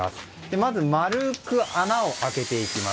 まず、丸く穴を開けていきます。